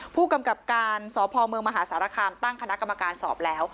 ผู้กำกับการสพเมืองมหาสารคามตั้งคณะกรรมการสอบแล้ว